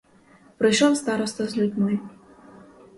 Прийшов староста з людьми.